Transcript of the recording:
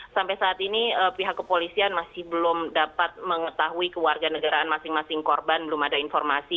sampai saat ini pihak kepolisian masih belum dapat mengetahui kewarganegaraan masing masing korban belum ada informasi